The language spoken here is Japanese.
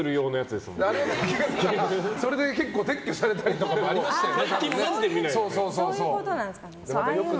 結構撤去されたりとかありましたよね。